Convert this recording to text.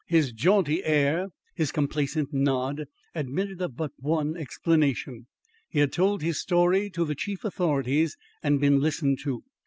His jaunty air, his complaisant nod, admitted of but one explanation. He had told his story to the chief authorities and been listened to.